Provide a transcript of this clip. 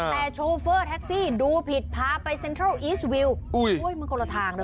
แต่โชเฟอร์แท็กซี่ดูผิดพาไปเซ็นทรัลอีสวิวมันคนละทางเลย